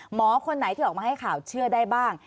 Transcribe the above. หมอคนไหนที่ออกมาให้ข่าวเชื่อได้บ้าง